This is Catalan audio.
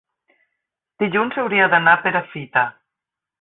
dilluns hauria d'anar a Perafita.